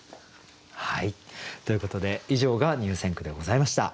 ということで以上が入選句でございました。